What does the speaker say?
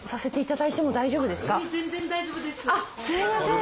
あっすいません。